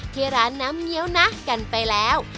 ที่ร้านน้ำเงี้ยวนะกันไปแล้ว